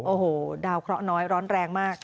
โอ้โหดาวเคราะห์น้อยร้อนแรงมาก